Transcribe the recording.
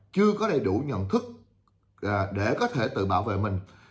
chưa có đầy đủ nhận thức để có thể tự bảo vệ mình